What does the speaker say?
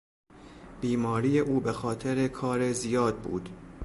بیماری او به خاطر کار زیاد بود